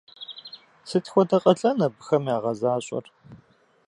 Сыт хуэдэ къалэн абыхэм ягъэзащӏэр?